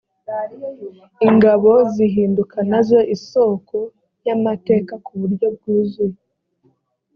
ingabo zihinduka na zo isoko y amateka ku buryo bwuzuye